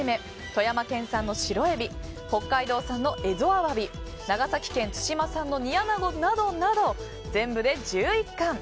富山県産の白エビ北海道産の蝦夷アワビ長崎県対馬産の煮アナゴなどなど全部で１１貫。